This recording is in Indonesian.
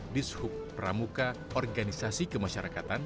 dishub pramuka organisasi kemasyarakatan